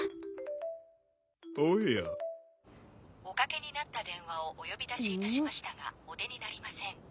おかけになった電話をお呼び出しいたしましたがお出になりません。